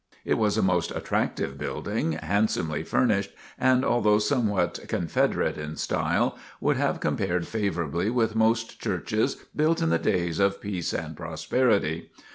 It was a most attractive building, handsomely furnished, and although somewhat "Confederate" in style, would have compared favorably with most churches built in the days of peace and prosperity.